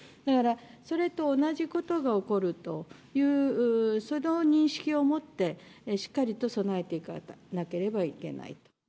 だから、それと同じことが起こるという、その認識を持って、しっかりと備えていかなければいけないと。